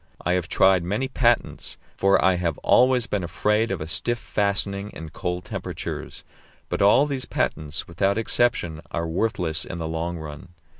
I have tried many patents, for I have always been afraid of a stiff fastening in cold temperatures; but all these patents, without exception, are worthless in the long run.